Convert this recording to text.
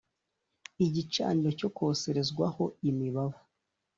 Igicaniro cyokoserezwaho imibavu